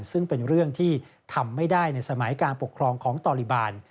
ซึ่งเป็นเรื่องที่ทำไม่ได้ในสมัยการปกครองของตอลิบาล